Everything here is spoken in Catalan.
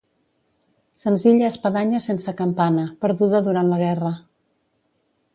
Senzilla espadanya sense campana, perduda durant la guerra.